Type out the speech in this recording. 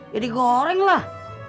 ya digoreng lah